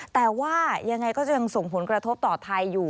แต่ว่ายังไงก็จะยังส่งผลกระทบต่อไทยอยู่